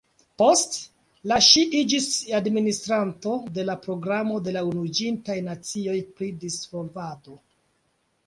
Poste, la ŝi iĝis administranto de la Programo de la Unuiĝintaj Nacioj pri Disvolvado.